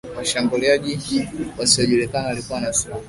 Washambuliaji wasiojulikana waliokuwa na silaha